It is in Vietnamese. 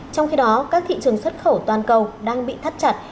trong khi đó các thị trường xuất khẩu toàn cầu đang bị thắt chặt